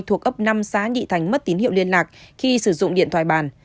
thuộc ấp năm xã nhị thành mất tín hiệu liên lạc khi sử dụng điện thoại bàn